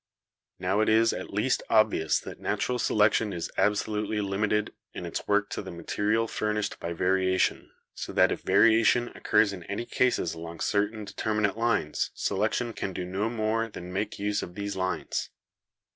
"Now it is at least obvious that natural selection is absolutely limited in its work to the material furnishedi FACTORS OF EVOLUTION— SELECTION 211 by variation, so that if variation occurs in any cases along certain determinate lines selection can do no more than make use of these lines.